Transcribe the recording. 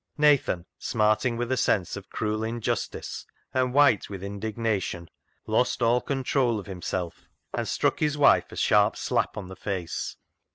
Nathan, smarting with a sense of cruel injustice and white with indignation, lost all control of himself, and struck his wife a smart slap on the face.